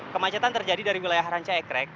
kemacetan terjadi dari wilayah ranca ekrek